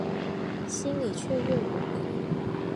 心里雀跃无比